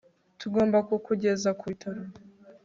tugomba kukugeza ku bitaro